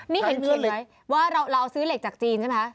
นี่เห็นไหมว่าเราซื้อเหล็กจากจีนใช่ไหม